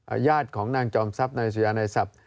อ่าญาติของนางจอบม์ซัพนางสุริยานางสับ